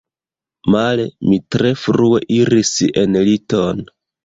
Male, mi tre frue iris en liton.